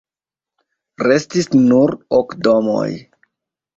Restis nur ok domoj.